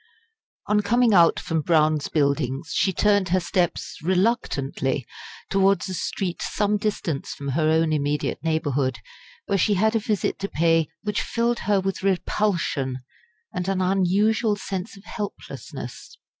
On coming out from Brown's Buildings, she turned her steps reluctantly towards a street some distance from her own immediate neighbourhood, where she had a visit to pay which filled her with repulsion and an unusual sense of helplessness.